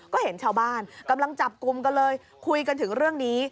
ก็เห็นชาวบ้านกำลังจับกลุ่มกันเลยคุยกันถึงเรื่องนี้